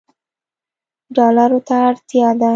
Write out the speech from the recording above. ډالرو ته اړتیا ده